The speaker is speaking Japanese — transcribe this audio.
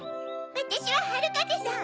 わたしははるかぜさん。